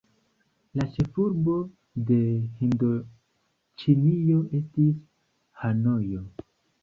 La ĉefurbo de Hindoĉinio estis Hanojo.